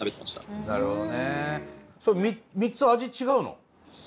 それ３つ味違うの？